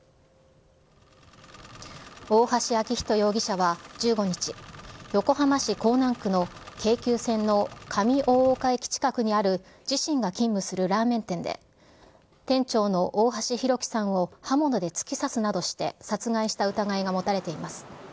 大橋昭仁容疑者は１５日、横浜市港南区の京急線の上大岡駅近くにある自身が勤務するラーメン店で、店長の大橋弘輝さんを刃物で突き刺すなどして殺害した疑いが持たれています。